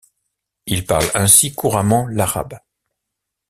Il parle ainsi couramment l'arabe.